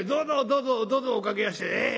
どうぞどうぞお掛けやして。